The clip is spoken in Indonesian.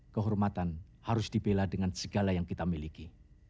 kehormatan harus dibela dengan segala yang kita miliki